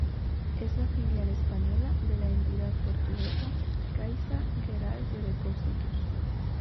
Es la filial española de la entidad portuguesa Caixa Geral de Depósitos.